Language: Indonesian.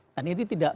dan ini tidak